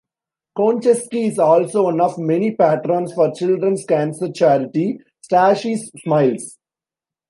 Konchesky is also one of many patrons for Children's Cancer Charity "Stacey's Smiles".